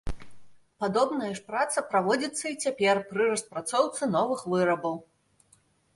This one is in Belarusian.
Падобная ж праца праводзіцца і цяпер пры распрацоўцы новых вырабаў.